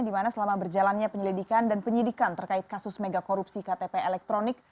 di mana selama berjalannya penyelidikan dan penyidikan terkait kasus mega korupsi ktp elektronik